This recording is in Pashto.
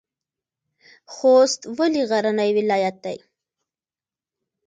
خوست ولې غرنی ولایت دی؟